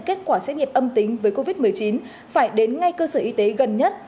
kết quả xét nghiệm âm tính với covid một mươi chín phải đến ngay cơ sở y tế gần nhất